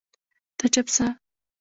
ته چپ سه